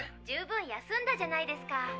十分休んだじゃないですか。